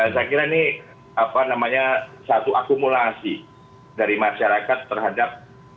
saya kira ini satu akumulasi dari masyarakat terhadap